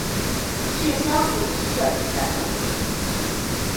是相处必须的基本能力